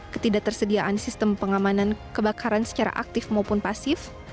ketidaktersediaan sistem pengamanan kebakaran secara aktif maupun pasif